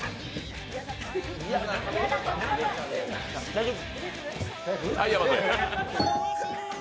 大丈夫。